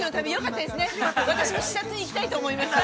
私も視察に行きたいと思います。